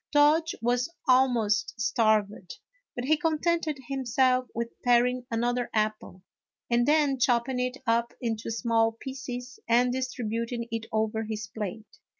Dodge was al most starved, but he contented himself with paring another apple, and then chopping it up into small pieces and distributing it over his plate.